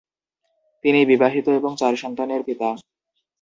তিনি বিবাহিত এবং চার সন্তানের পিতা।